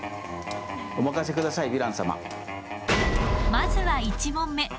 まずは１問目。